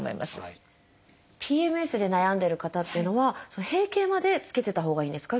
ＰＭＳで悩んでる方というのは閉経までつけてたほうがいいんですか？